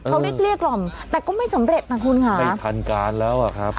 เขาได้เกลี้ยกล่อมแต่ก็ไม่สำเร็จนะคุณค่ะไม่ทันการแล้วอ่ะครับ